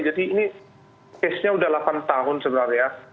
jadi ini kesnya udah delapan tahun sebenarnya